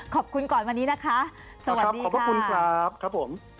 ขอบคุณก่อนวันนี้นะคะสวัสดีครับขอบพระคุณครับครับผม